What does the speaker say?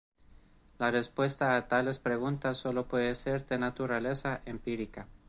La respuesta a tales preguntas sólo puede ser de naturaleza empírica.